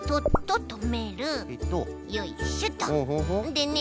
でね